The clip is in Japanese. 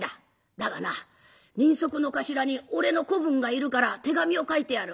だがな人足の頭に俺の子分がいるから手紙を書いてやる。